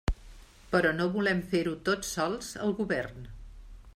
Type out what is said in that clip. Però no volem fer-ho tot sols al Govern.